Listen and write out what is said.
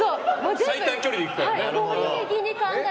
最短距離で行くからね。